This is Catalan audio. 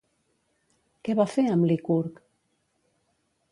Què va fer amb Licurg?